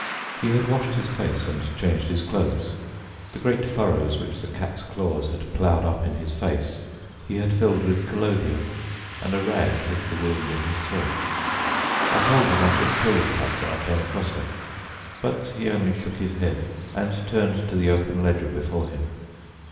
He had washed his face and changed his clothes. The great furrows which the cat's claws had ploughed up in his face he had filled with collodion, and a rag hid the wound in his throat. I told him I should kill the cat when I came across her, but he only shook his head and turned to the open ledger before him.